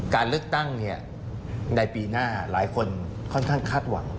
การเลือกตั้งในปีหน้าหลายคนค่อนข้างคาดหวัง